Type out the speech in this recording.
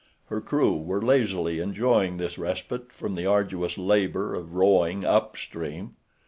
Her crew were lazily enjoying this respite from the arduous labor of rowing up stream.